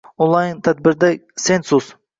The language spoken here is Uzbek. Onlayn tadbirda Census